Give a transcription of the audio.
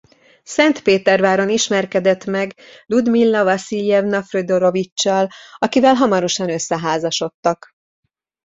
Szentpéterváron ismerkedett meg Ljudmila Vasziljevna Fjodoroviccsal akivel hamarosan összeházasodtak.